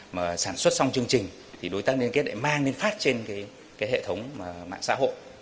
mà sản xuất xong chương trình thì đối tác liên kết lại mang lên phát trên cái hệ thống mạng xã hội